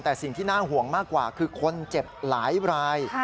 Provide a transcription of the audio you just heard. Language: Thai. แต่สิ่งที่น่าห่วงมากกว่าคือคนเจ็บหลายราย